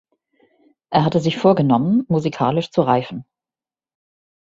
Er hatte sich vorgenommen, musikalisch zu reifen.